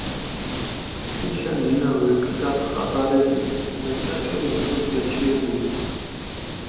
თიშა ნინა ვეკგატყაბარედჷ, უმენტაშო მუთუნს ვეჩიებუდჷ.